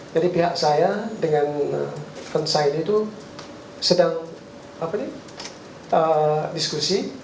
jadi pihak saya dengan konsainya itu sedang diskusi